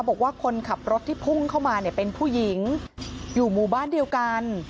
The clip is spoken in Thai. บอกว่าคนขับรถที่พุ่งเข้ามาเนี่ยเป็นผู้หญิงอยู่หมู่บ้านเดียวกัน